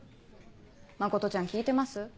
真ちゃん聞いてます？